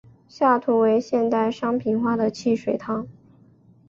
下图为现代商品化的汽水糖。